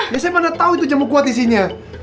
ya saya mana tau itu jamu kuat isinya